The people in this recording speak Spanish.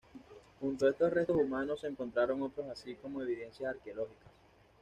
Junto a estos restos humanos se encontraron otros así como evidencias arqueológicas.